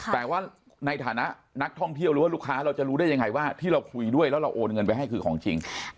แต่ว่าในฐานะนักท่องเที่ยวหรือว่าลูกค้าเราจะรู้ได้ยังไงว่าที่เราคุยด้วยแล้วเราโอนเงินไปให้คือของจริง